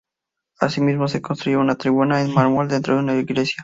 Asimismo se construye una tribuna en mármol dentro de la iglesia.